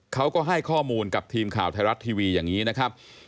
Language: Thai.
เขาก็ให้ข้อมูลกับทีมข่าวไทยรัฐทีวีอย่างนี้นะครับ